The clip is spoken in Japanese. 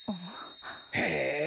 へえ。